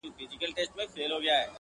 واری د تېراه دی ورپسې مو خیبرونه دي!